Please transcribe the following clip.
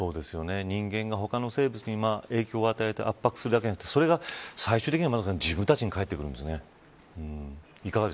人間が他の生物に影響を与えて圧迫するだけじゃなくてそれが最終的な自分たちに帰ってくるんですね。